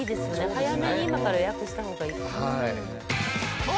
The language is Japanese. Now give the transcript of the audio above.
早めに今から予約した方がいいかも。